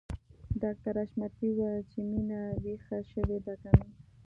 ډاکټر حشمتي وويل چې مينه ويښه شوې ده که نه